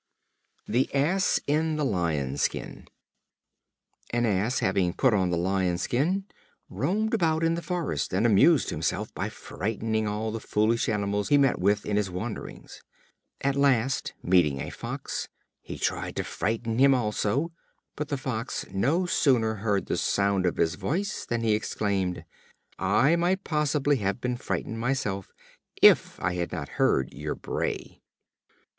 The Ass in the Lion's Skin. An Ass, having put on the Lion's skin, roamed about in the forest, and amused himself by frightening all the foolish animals he met with in his wanderings. At last, meeting a Fox, he tried to frighten him also, but the Fox no sooner heard the sound of his voice, than he exclaimed: "I might possibly have been frightened myself, if I had not heard your bray."